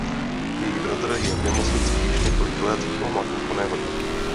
Její bratr je v nemocnici již několik let v kómatu po nehodě.